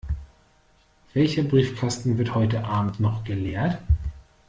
Welcher Briefkasten wird heute Abend noch geleert?